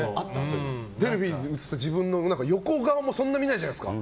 テレビに映った自分の横顔もそんな見ないじゃないですか。